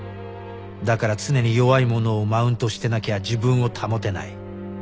だから常に弱い者をマウントしてなきゃ自分を保てない